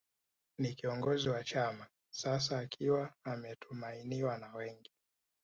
Ni kiongozi wa chama sasa akiwa ametumainiwa na wengi